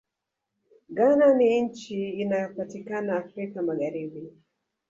ghana ni nchi inayopatikana afrika magharibi